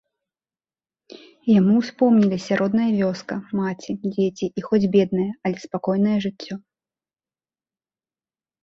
І яму ўспомніліся родная вёска, маці, дзеці і хоць беднае, але спакойнае жыццё.